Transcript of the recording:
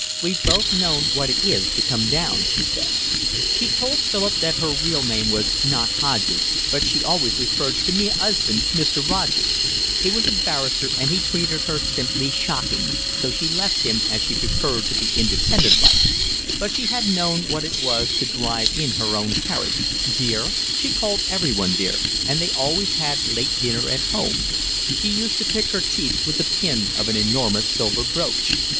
"We've both known what it is to come down," she said. She told Philip that her real name was not Hodges, but she always referred to "me 'usband Misterodges;" he was a barrister and he treated her simply shocking, so she left him as she preferred to be independent like; but she had known what it was to drive in her own carriage, dear—she called everyone dear—and they always had late dinner at home. She used to pick her teeth with the pin of an enormous silver brooch.